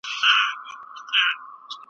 خپل شاوخوا فرصتونه وپیژنئ.